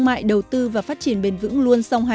hoặc những sản phẩm